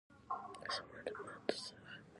زه له ماتو څخه بېره نه لرم.